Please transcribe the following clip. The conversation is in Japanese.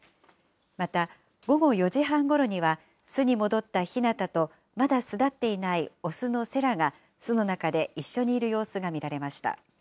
また、午後４時半ごろには、巣に戻ったひなたと、まだ巣立っていない雄のセラが、巣の中で一緒にいる様子が見られました。